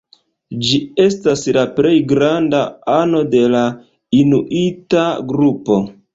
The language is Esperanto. Ĝi estas la plej granda ano de la inuita grupo.